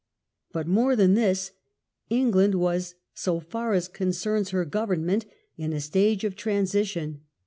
But more than this. England was, so far ^ concerns her government, in a stage of transition.